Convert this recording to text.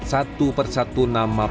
satu persatu nama partai